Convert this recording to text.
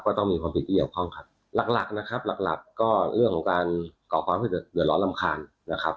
ต้องมีความผิดที่เกี่ยวข้องครับหลักหลักนะครับหลักหลักก็เรื่องของการก่อความเดือดร้อนรำคาญนะครับ